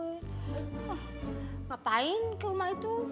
ngapain ke rumah itu